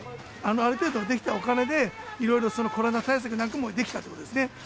ある程度できたお金で、いろいろコロナ対策なんかもできたということですね。